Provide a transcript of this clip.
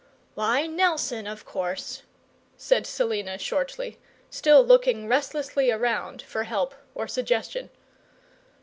"Why, Nelson, of course," said Selina, shortly, still looking restlessly around for help or suggestion.